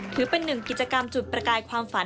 ถือเป็นหนึ่งกิจกรรมจุดประกายความฝัน